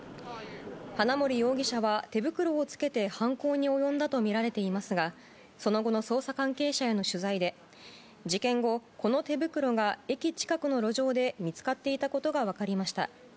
花森容疑者は手袋を着けて犯行に及んだとみられていますがその後の捜査関係者への取材で事件後、この手袋が駅近くの路上で見つかっていたことが分かりました。